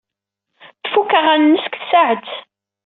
Tfuk aɣanen-nnes deg tsaɛet.